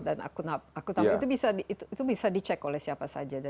dan aku tahu itu bisa dicek oleh siapa saja